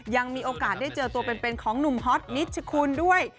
ยังมีโอกาสได้เจอตัวเป็นของหนุ่มฮอตนิชคุณด้วย